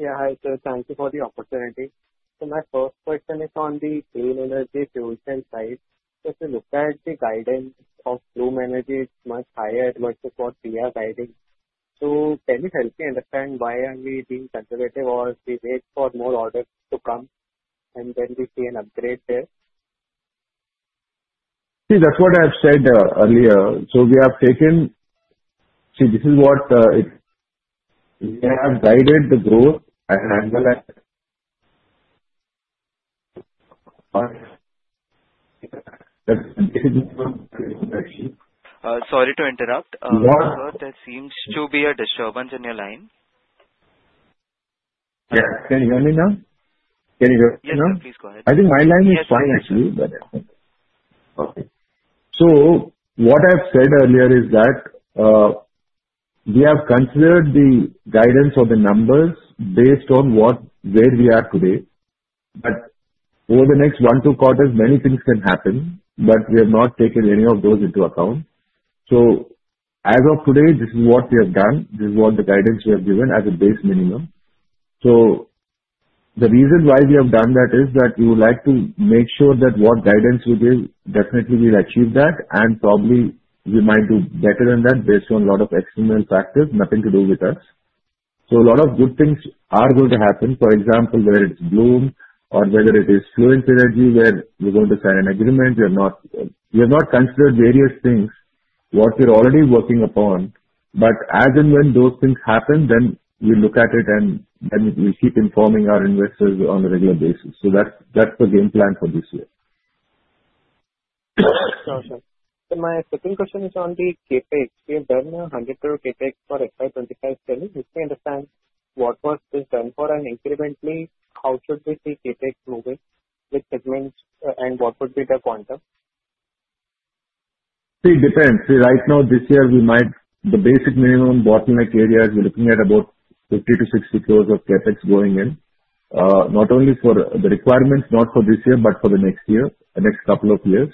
Yeah, hi, sir. Thank you for the opportunity. So my first question is on the Clean Energy fuel cell side. If you look at the guidance of Bloom Energy, it's much higher versus what we are guiding. So can you help me understand why are we being conservative or we wait for more orders to come and then we see an upgrade there? See, that's what I have said earlier. So we have taken. See, this is what we have guided the growth and handle Sorry to interrupt. Sir, there seems to be a disturbance in your line. Yeah. Can you hear me now? Can you hear me now? Yes, sir. Please go ahead. I think my line is fine actually, but. Okay. So what I have said earlier is that we have considered the guidance or the numbers based on where we are today. But over the next one to quarters, many things can happen, but we have not taken any ofthose into account. So as of today, this is what we have done. This is what the guidance we have given as a base minimum. So the reason why we have done that is that we would like to make sure that what guidance we give, definitely we'll achieve that. And probably we might do better than that based on a lot of external factors, nothing to do with us. So a lot of good things are going to happen. For example, whether it's Bloom or whether it is Fluence Energy where we're going to sign an agreement. We have not considered various things, what we're already working upon. But as and when those things happen, then we look at it and then we keep informing our investors on a regular basis. So that's the game plan for this year. Sure, sir. So my second question is on the capex. We have done a 100-through capex for FY25 cells. If we understand what was this done for and incrementally, how should we see capex moving with segments and what would be the quantum? See, it depends. See, right now, this year, we might the basic minimum bottleneck area. We're looking at about 50-60 crores of capex going in, not only for the requirements, not for this year, but for the next year, the next couple of years.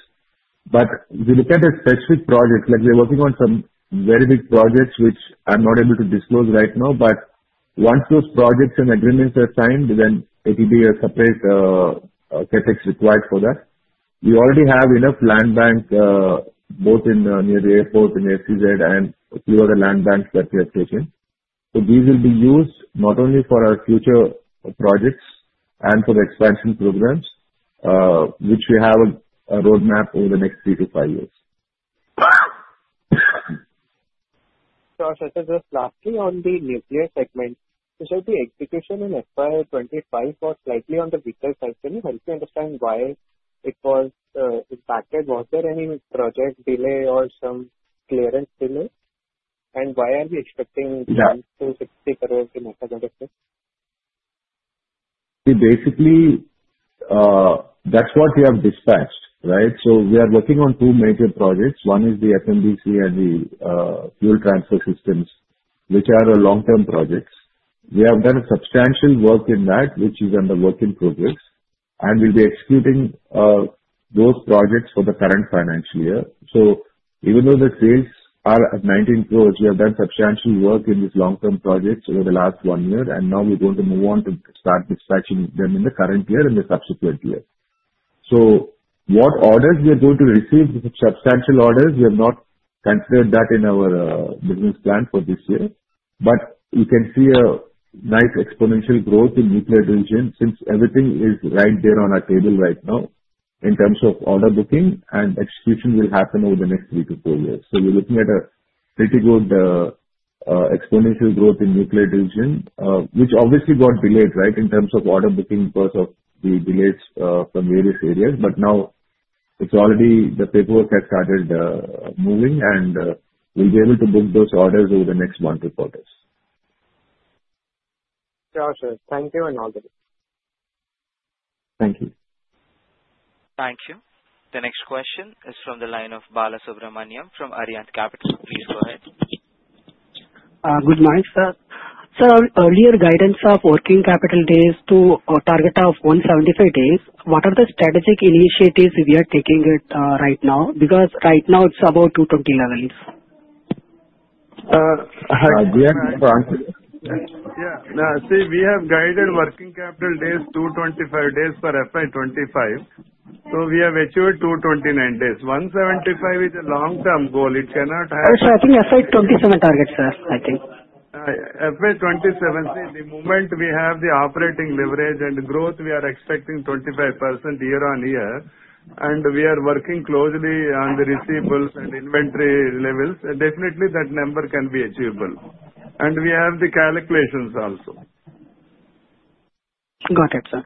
But if you look at a specific project, like we are working on some very big projects, which I'm not able to disclose right now, but once those projects and agreements are signed, then it will be a separate capex required for that. We already have enough landbank both near the airport and SEZ and a few other landbanks that we have taken. So these will be used not only for our future projects and for the expansion programs, which we have a roadmap over the next three to five years. Sir, just lastly on the nuclear segment, so the execution in FY25 was slightly on the weaker side. Can you help me understand why it was impacted? Was there any project delay or some clearance delay? And why are we expecting INR 10-INR 60 crores in execution? See, basically, that's what we have dispatched, right? So we are working on two major projects. One is the FMDC and the fuel transfer systems, which are long-term projects. We have done substantial work in that, which is under work in progress. And we'll be executing those projects for the current financial year. So even though the sales are at 19 crores, we have done substantial work in these long-term projects over the last one year. And now we're going to move on to start dispatching them in the current year and the subsequent year. So what orders we are going to receive, substantial orders, we have not considered that in our business plan for this year. But we can see a nice exponential growth in Nuclear Division since everything is right there on our table right now in terms of order booking. And execution will happen over the next three to four years. So we're looking at a pretty good exponential growth in Nuclear Division, which obviously got delayed, right, in terms of order booking because of the delays from various areas. But now it's already the paperwork has started moving, and we'll be able to book those orders over the next one to four days. Sure, sir. Thank you and all the best. Thank you. Thank you. The next question is from the line of Balasubramanian from Arihant Capital. Please go ahead. Good morning, sir. Sir, earlier guidance of working capital days to a target of 175 days. What are the strategic initiatives we are taking right now? Because right now, it's about 220 levels. Yeah. No, see, we have guided working capital days 225 days for FY25. So we have achieved 229 days. 175 is a long-term goal. It cannot have. I think FY27 target, sir. I think. FY27, see, the moment we have the operating leverage and growth, we are expecting 25% year on year. And we are working closely on the receivables and inventory levels. Definitely, that number can be achievable. And we have the calculations also. Got it, sir.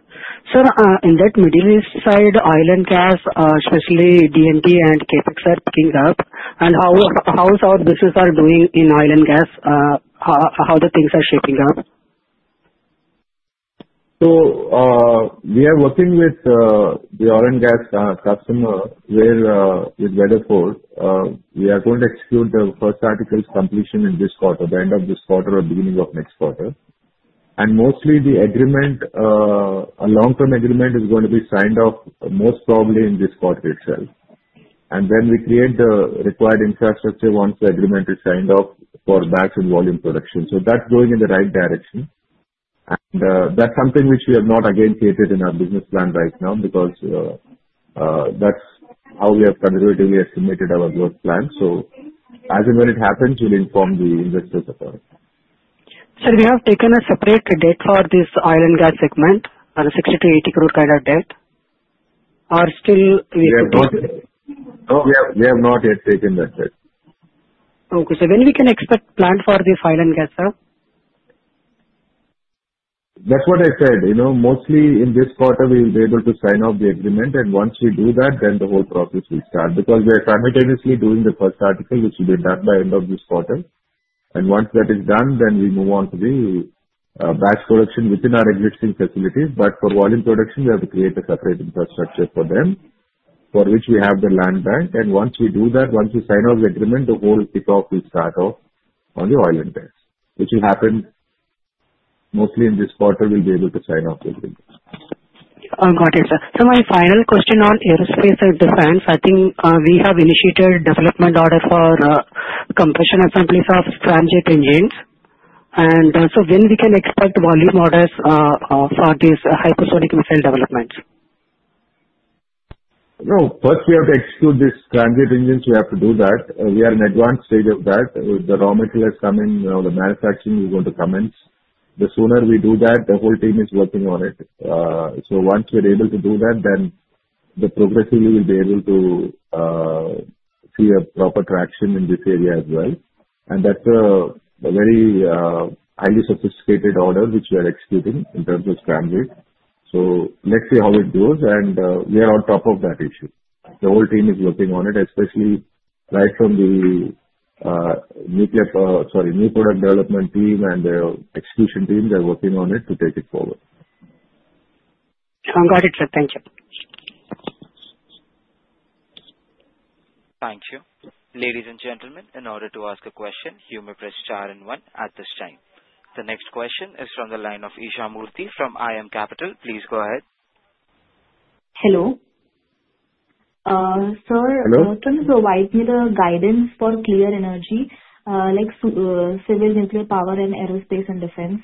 Sir, in that Middle East side, Oil and Gas, especially D&C and Capex, are picking up, and how is our business doing in Oil and Gas? How are the things shaping up? So we are working with the Oil and Gas customer with Weatherford. We are going to execute the First Article's completion in this quarter, the end of this quarter or beginning of next quarter, and mostly, the agreement, a long-term agreement, is going to be signed off most probably in this quarter itself, and then we create the required infrastructure once the agreement is signed off for batch and volume production, so that's going in the right direction, and that's something which we have not again created in our business plan right now because that's how we have conservatively estimated our growth plan, so as and when it happens, we'll inform the investors about it. Sir, we have taken a separate debt for this Oil and Gas segment, a 60-80 crore kind of debt. Are we still? We have not yet taken that debt. Okay. So when we can expect plan for this Oil and Gas, sir? That's what I said. Mostly, in this quarter, we will be able to sign off the agreement. And once we do that, then the whole process will start. Because we are simultaneously doing the first article, which will be done by end of this quarter. And once that is done, then we move on to the batch production within our existing facilities. But for volume production, we have to create a separate infrastructure for them, for which we have the landbank. And once we do that, once we sign off the agreement, the whole kickoff will start off on the Oil and Gas, which will happen mostly in this quarter. We'll be able to sign off the agreement. Got it, sir. So my final question on Aerospace and Defense. I think we have initiated development order for compression assemblies of scramjet engines. And so when we can expect volume orders for these hypersonic missile developments? No, first we have to execute these scramjet engines. We have to do that. We are in advanced stage of that. The raw material is coming. The manufacturing is going to commence. The sooner we do that, the whole team is working on it. So once we're able to do that, then progressively we'll be able to see a proper traction in this area as well, and that's a very highly sophisticated order which we are executing in terms of transit. So let's see how it goes, and we are on top of that issue. The whole team is working on it, especially right from the nuclear sorry, New Product Development team and the execution team. They're working on it to take it forward. Got it, sir. Thank you. Thank you. Ladies and gentlemen, in order to ask a question, you may press star and one at this time. The next question is from the line of Isha Murthy from IM Capital. Please go ahead. Hello. Sir, can you provide me the guidance for Clean Energy, like Civil Nuclear Power and Aerospace and Defense?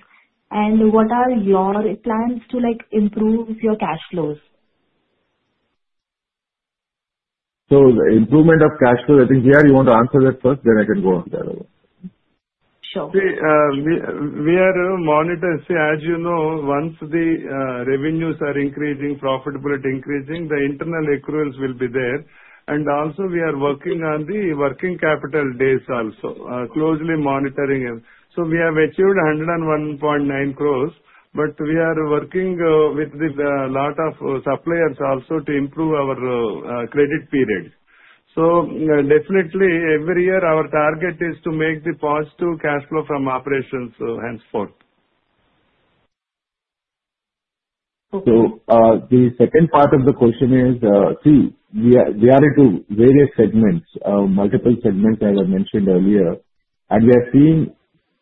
And what are your plans to improve your cash flows? So the improvement of cash flow, I think here, you want to answer that first, then I can go on that. Sure. See, we are monitoring. See, as you know, once the revenues are increasing, profitability increasing, the internal accruals will be there. We are working on the working capital days also, closely monitoring it. We have achieved 101.9 crores, but we are working with a lot of suppliers also to improve our credit period. Every year, our target is to make the positive cash flow from operations henceforth. The second part of the question is, see, we are into various segments, multiple segments, as I mentioned earlier. We are seeing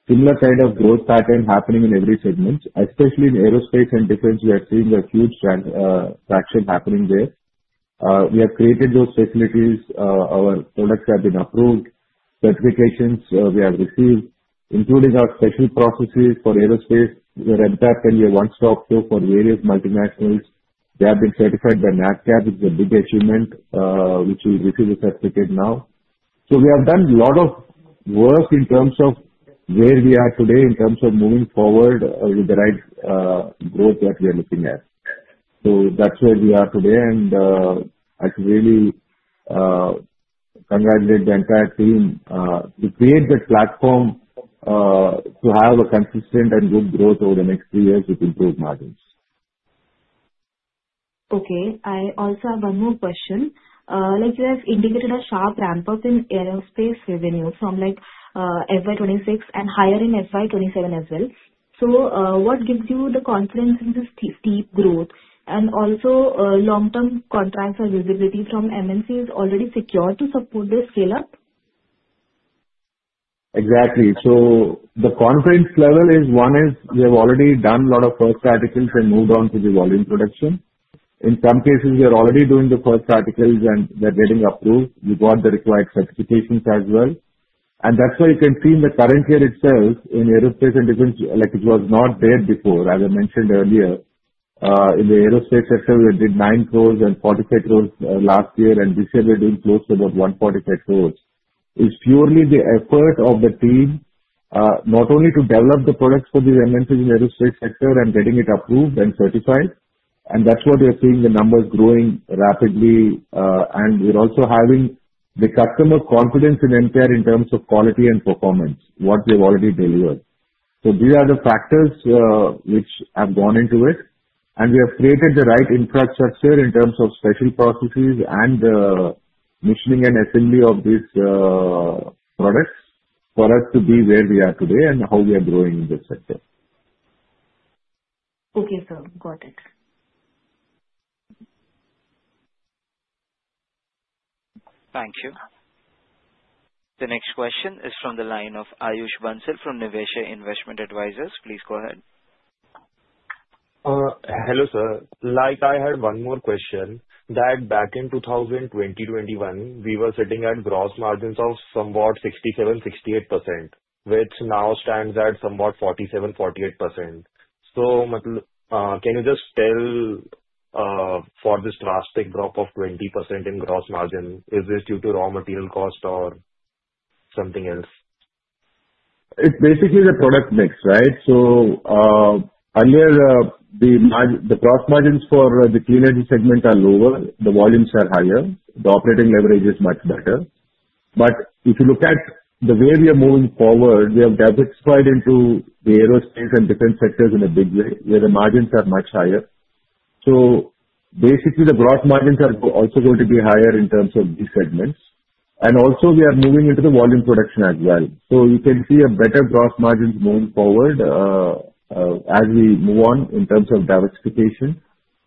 similar kind of growth pattern happening in every segment, especially in Aerospace and Defense. We are seeing a huge traction happening there. We have created those facilities. Our products have been approved. Certifications we have received, including our special processes for aerospace. We have Nadcap and we have one-stop shop for various multinationals. They have been certified by Nadcap. It's a big achievement, which we'll receive the certificate now, so we have done a lot of work in terms of where we are today, in terms of moving forward with the right growth that we are looking at, so that's where we are today, and I should really congratulate the entire team to create that platform to have a consistent and good growth over the next three years with improved margins. Okay. I also have one more question. You have indicated a sharp ramp-up in aerospace revenue from FY26 and higher in FY27 as well. So what gives you the confidence in this steep growth? And also, long-term contracts or visibility from MNCs already secured to support the scale-up? Exactly. So the confidence level is one is we have already done a lot of First Articles and moved on to the volume production. In some cases, we are already doing the First Articles and they're getting approved. We got the required certifications as well. And that's why you can see in the current year itself, in Aerospace and Defense, it was not there before. As I mentioned earlier, in the aerospace sector, we did 9 crores and 45 crores last year. And this year, we're doing close to about 145 crores. It's purely the effort of the team, not only to develop the products for these MNCs in aerospace sector and getting it approved and certified. And that's what we are seeing the numbers growing rapidly. And we're also having the customer confidence in MTAR in terms of quality and performance, what they've already delivered. These are the factors which have gone into it. We have created the right infrastructure in terms of special processes and machining and assembly of these products for us to be where we are today and how we are growing in this sector. Okay, sir. Got it. Thank you. The next question is from the line of Ayush Bansal from Niveshaay Investment Advisors. Please go ahead. Hello, sir. Like I had one more question, that back in 2020, 21, we were sitting at gross margins of somewhat 67%-68%, which now stands at somewhat 47%-48%. So can you just tell for this drastic drop of 20% in gross margin, is this due to raw material cost or something else? It's basically the product mix, right? So the gross margins for the Clean Energy segment are lower. The volumes are higher. The operating leverage is much better. But if you look at the way we are moving forward, we have diversified into the Aerospace and Defense sectors in a big way, where the margins are much higher. So basically, the gross margins are also going to be higher in terms of these segments. And also, we are moving into the volume production as well. So you can see a better gross margins moving forward as we move on in terms of diversification.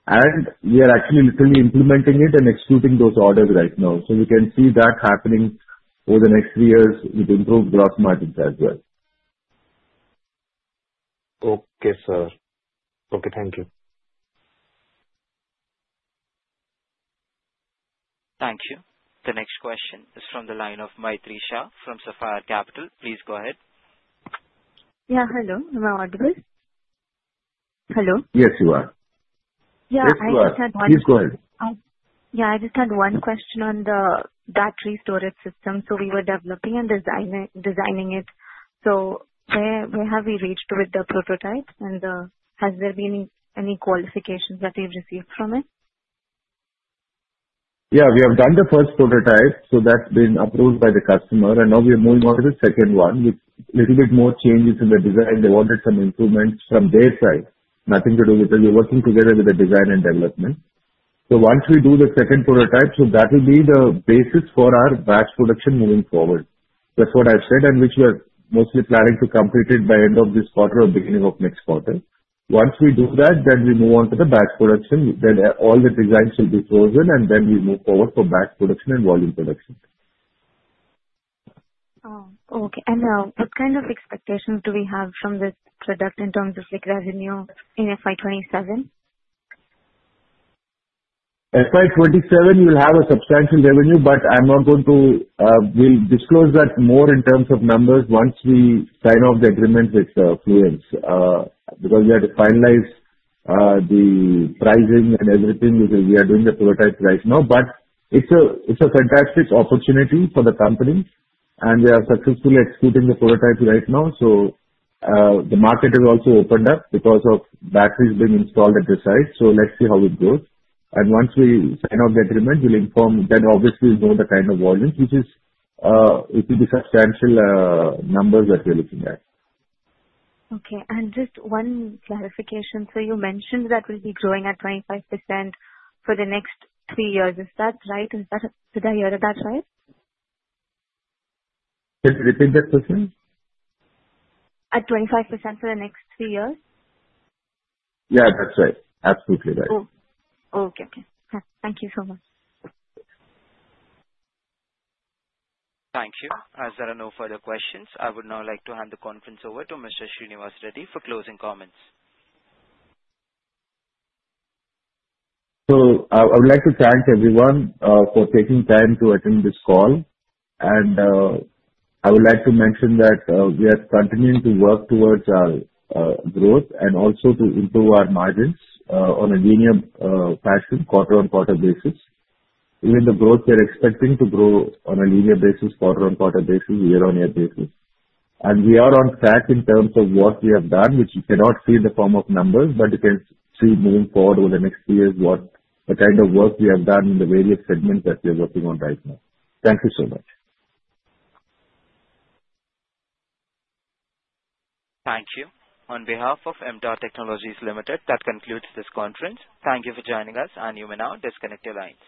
And we are actually literally implementing it and executing those orders right now. So we can see that happening over the next three years with improved gross margins as well. Okay, sir. Okay, thank you. Thank you. The next question is from the line of Maitri Shah from Sapphire Capital. Please go ahead. Yeah, hello. No address. Hello? Yes, you are. Yeah, I just had one. Yes, go ahead. Yeah, I just had one question on the battery storage system. So we were developing and designing it. So where have we reached with the prototype? And has there been any qualifications that we've received from it? Yeah, we have done the first prototype. So that's been approved by the customer. And now we are moving on to the second one with a little bit more changes in the design. They wanted some improvements from their side. Nothing to do with it. We're working together with the design and development. So once we do the second prototype, so that will be the basis for our batch production moving forward. That's what I've said, and which we are mostly planning to complete it by end of this quarter or beginning of next quarter. Once we do that, then we move on to the batch production. Then all the designs will be frozen, and then we move forward for batch production and volume production. Okay. And what kind of expectations do we have from this product in terms of revenue in FY27? 2027, we'll have a substantial revenue, but I'm not going to disclose that more in terms of numbers once we sign off the agreement with Fluence because we had to finalize the pricing and everything because we are doing the prototypes right now, but it's a fantastic opportunity for the company, and we are successfully executing the prototypes right now, so the market has also opened up because of batteries being installed at the site, so let's see how it goes, and once we sign off the agreement, we'll inform them, obviously know the kind of volumes, which is a substantial number that we're looking at. Okay. And just one clarification. So you mentioned that we'll be growing at 25% for the next three years. Is that right? Did I hear that right? Can you repeat that question? At 25% for the next three years? Yeah, that's right. Absolutely right. Okay. Thank you so much. Thank you. As there are no further questions, I would now like to hand the conference over to Mr. Srinivas Reddy for closing comments. So I would like to thank everyone for taking time to attend this call. And I would like to mention that we are continuing to work towards our growth and also to improve our margins on a linear fashion, quarter-on-quarter basis. Even the growth, we're expecting to grow on a linear basis, quarter-on-quarter basis, year-on-year basis. And we are on track in terms of what we have done, which you cannot see in the form of numbers, but you can see moving forward over the next three years what kind of work we have done in the various segments that we are working on right now. Thank you so much. Thank you. On behalf of MTAR Technologies Limited, that concludes this conference. Thank you for joining us, and you may now disconnect the lines.